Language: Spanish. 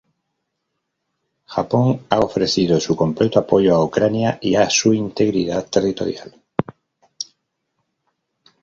Japón ha ofrecido su completo apoyo a Ucrania y a su "integridad territorial".